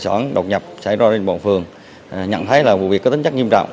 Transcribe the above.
đối tượng đột nhập xảy ra lên bọn phường nhận thấy là vụ việc có tính chất nghiêm trọng